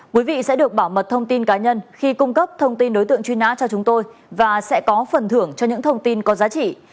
quý vị sẽ được bảo mật thông tin cá nhân khi cung cấp thông tin đối tượng truy nã cho chúng tôi và sẽ có phần thưởng cho những thông tin có giá trị